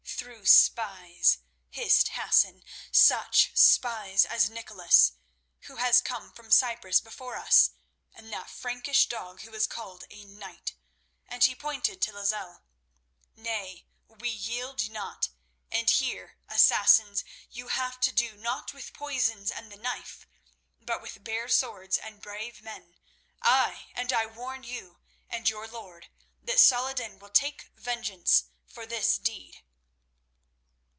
"Through spies," hissed Hassan, "such spies as Nicholas, who has come from Cyprus before us, and that Frankish dog who is called a knight," and he pointed to Lozelle. "Nay, we yield not, and here, Assassins, you have to do not with poisons and the knife, but with bare swords and brave men. Ay, and I warn you—and your lord—that Salah ed din will take vengeance for this deed."